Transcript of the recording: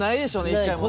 １回もね。